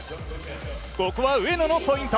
ここは上野のポイント。